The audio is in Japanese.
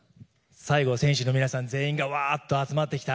最後、選手の皆さん全員がわーっと集まってきた。